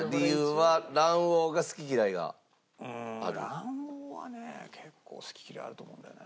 卵黄はね結構好き嫌いあると思うんだよね。